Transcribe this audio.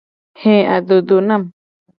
He adodo nam.